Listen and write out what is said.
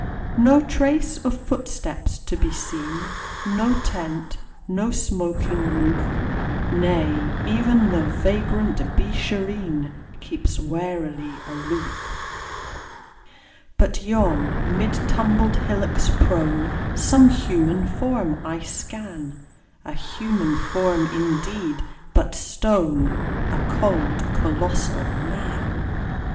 No trace of footsteps to be seen, No tent, no smoking roof; Nay, even the vagrant Beeshareen Keeps warily aloof. But yon, mid tumbled hillocks prone, Some human form I scan A human form, indeed, but stone: A cold, colossal Man!